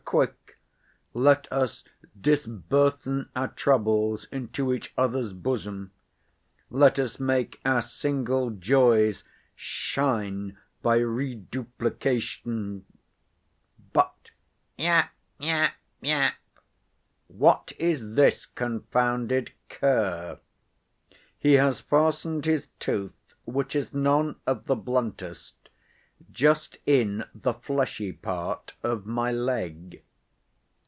Quick—let us disburthen our troubles into each other's bosom—let us make our single joys shine by reduplication—But yap, yap, yap!—what is this confounded cur? he has fastened his tooth, which is none of the bluntest, just in the fleshy part of my leg."